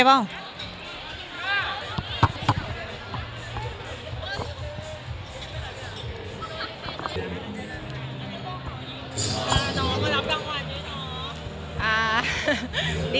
ขอบคุณครับ